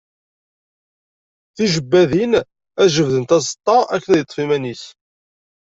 Tijebbadin, ad jebdent aẓeṭṭa akken ad yeṭṭef iman-is.